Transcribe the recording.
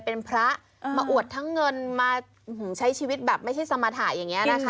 เป็นพระมาอวดทั้งเงินมาใช้ชีวิตแบบไม่ใช่สมรรถะอย่างนี้นะคะ